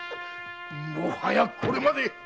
もはやこれまで。